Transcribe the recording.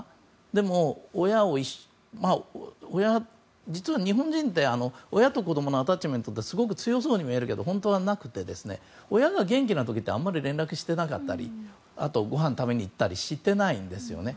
でも、実は日本人って親と子供のアタッチメントってすごく強そうに見えるけど本当はなくて親が元気な時ってあんまり連絡してなかったりあと、ごはんを食べに行ったりしていないんですよね。